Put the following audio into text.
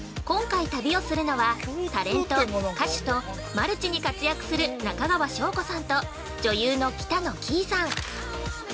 今回、旅をするのは、タレント、歌手とマルチに活躍する中川翔子さんと女優の北乃きいさん。